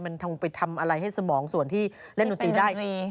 มันต้องไปทำอะไรให้สมองส่วนที่เล่นดนตรีได้